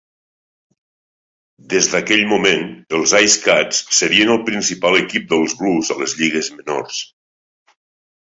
Des d'aquell moment, els IceCats serien el principal equip dels Blues a les lligues menors.